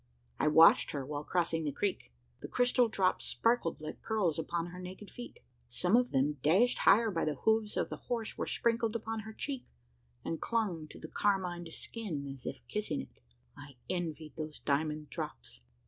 I watched her while crossing the creek. The crystal drops sparkled like pearls upon her naked feet. Some of them, dashed higher by the hoofs of the horse, were sprinkled upon her cheek, and clung to the carmined skin as if kissing it! I envied those diamond drops!